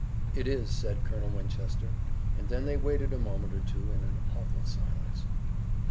"It is," said Colonel Winchester, and then they waited a moment or two in an awful silence.